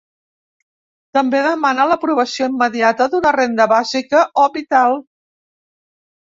També demana l’aprovació immediata d’una renda bàsica o vital.